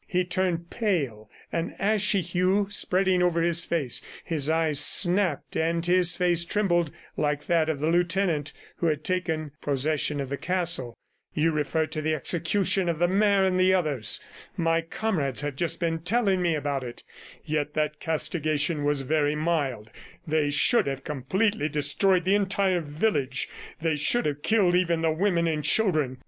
He turned pale, an ashy hue spreading over his face; his eyes snapped and his face trembled like that of the lieutenant who had taken possession of the castle. "You refer to the execution of the mayor and the others. My comrades have just been telling me about it; yet that castigation was very mild; they should have completely destroyed the entire village. They should have killed even the women and children.